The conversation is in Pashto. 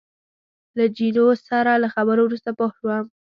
له جینو سره له خبرو وروسته پوه شوم.